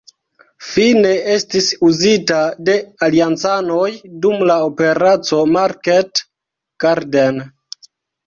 Fine estis uzita de Aliancanoj dum la Operaco Market Garden.